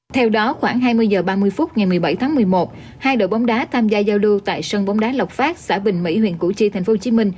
theo đó khoảng hai mươi h ba mươi phút ngày một mươi bảy tháng một mươi một hai đội bóng đá tham gia giao lưu tại sân bóng đá lộc phát xã bình mỹ huyện củ chi tp hcm